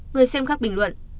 người xem khắc bình luận